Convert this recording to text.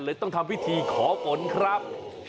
ต้องทำพิธีขอฝนครับ